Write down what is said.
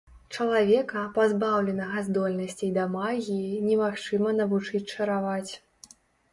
Чалавека, пазбаўленага здольнасцей да магіі, немагчыма навучыць чараваць.